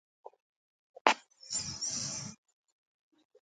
د بې وزلو سره مرسته کوئ؟